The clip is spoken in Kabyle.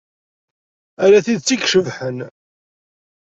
Ala tidet ay icebḥen.